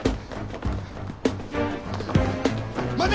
待て！